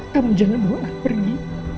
kamu jangan bawa al pergi